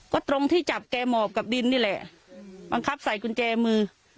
ก็ตรงที่จับแกหมอบกับดินนี่แหละบังคับใส่กุญแจมือ